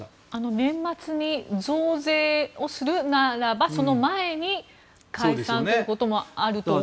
年末に増税をするならばその前に解散ということもあると思うという。